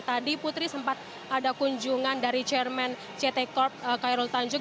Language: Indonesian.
tadi putri sempat ada kunjungan dari chairman ct corp khairul tanjung